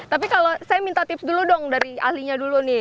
tapi kalau saya minta tips dulu dong dari ahlinya dulu nih